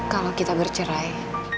kalau kita bercerai